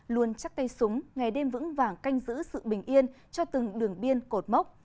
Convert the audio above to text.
luôn chắc tay súng ngày đêm vững vàng canh giữ sự bình yên cho từng đường biên cột mốc